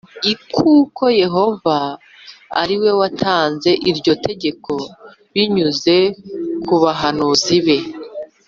i kuko Yehova ari we watanze iryo tegeko binyuze ku bahanuzi be